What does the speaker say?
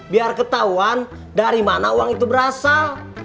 biar ketahuan dari mana uang itu berasal